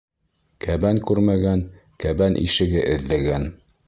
Кәбән күрмәгән кәбән ишеге эҙләгән.